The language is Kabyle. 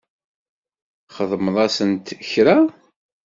Txedmeḍ-asent kra?